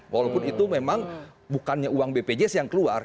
walaupun itu memang bukannya uang bpjs yang keluar